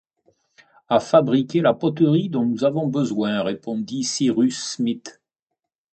À fabriquer la poterie dont nous avons besoin, répondit Cyrus Smith